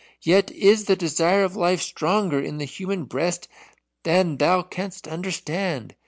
Yet is the desire of life stronger in the human breast than thou canst understand.